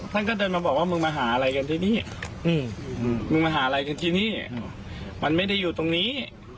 ท่านก็เดินมาบอกว่ามึงมาหาอะไรกันที่นี่มึงมาหาอะไรกันที่นี่มันไม่ได้อยู่ตรงนี้